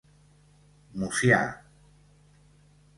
Mucià.